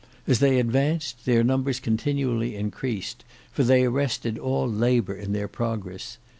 As they advanced their numbers continually increased, for they arrested all labour in their progress.